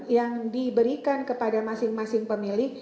yang diberikan kepada masing masing pemilih